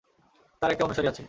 তার একটা অনুসারী আছে।